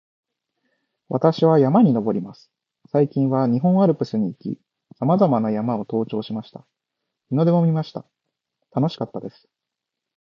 私は山に登ります。最近は日本アルプスに行き、さまざまな山を登頂しました。日の出も見ました。楽しかったです